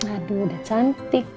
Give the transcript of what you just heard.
aduh udah cantik